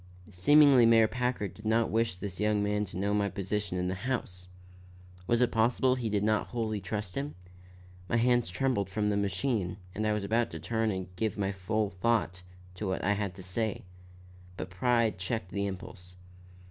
Seemingly Mayor Packard did not wish this young man to know my position in the house. Was it possible he did not wholly trust him? My hands trembled from the machine and I was about to turn and give my full thought to what I had to say. But pride checked the impulse.